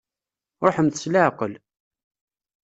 Ṛuḥemt s leɛqel.